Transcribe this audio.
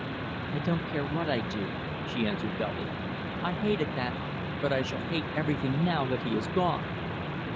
"I don't care what I do," she answered dully. "I hated that, but I shall hate everything now that he is gone."